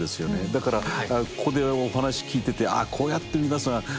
だからここでお話聞いててああこうやって皆さん